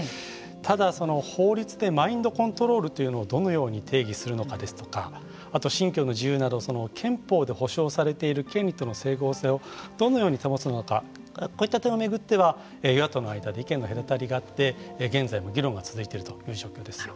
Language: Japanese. ただ、法律でマインドコントロールというのをどのように定義するのかですとかあと信教の自由など憲法で保障されている権利との整合性をどのように保つのかこういった点を巡っては与野党の間で意見の隔たりがあって現在も議論が続いているという状況です。